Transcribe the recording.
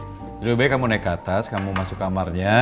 jadi lebih baik kamu naik ke atas kamu masuk kamarnya